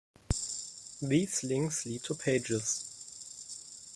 "These links lead to pages"